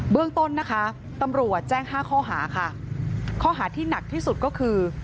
เรื่องต้นนะคะตำรวจแจ้งห้าข้อหาค่ะข้อหาที่หนักที่สุดก็คือ